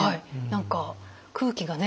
何か空気がね